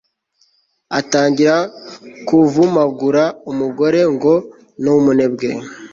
atangira kuvumagura umugore, ngo ni umunebwe